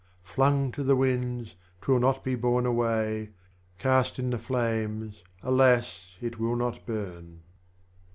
Flung to the Winds, 'twill not be borne away, Cast in the Flames alas, it will not burn.